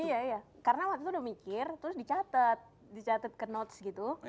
iya iya karena waktu itu udah mikir terus dicatat dicatat ke notes gitu